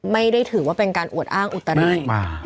ไม่ได้ถือว่าเป็นการอวดอ้างอุตริมา